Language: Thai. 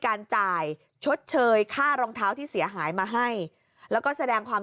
การจ่ายชดเชยค่ารองเท้าที่เสียหายมาให้แล้วก็แสดงความ